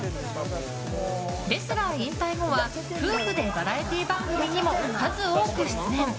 レスラー引退後は夫婦でバラエティー番組にも数多く出演。